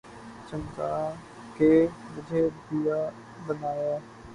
چمکا کے مجھے دیا بنا یا